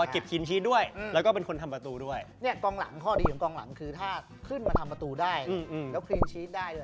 ข้อดีของกลางหลังคือถ้าขึ้นมาทำประตูได้แล้วคลีนชีสได้ด้วย